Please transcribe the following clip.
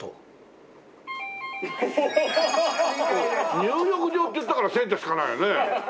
「入浴場」って言ったから銭湯しかないよね。